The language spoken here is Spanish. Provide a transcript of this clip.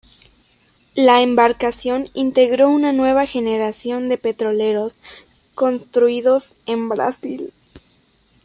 La embarcación integró una nueva generación de petroleros construidos en Brasil.